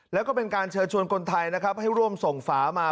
แล้วก็เป็นการเชิญชวนคนไทยนะครับให้ร่วมส่งฝามา